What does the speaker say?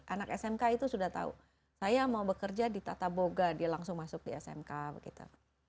anak smk itu sudah tahu saya mau bekerja di tata boga dia langsung masuk di smk begitu